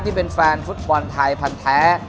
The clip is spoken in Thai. ที่เป็นแฟนฟุตบอลไทยพันธ์แท้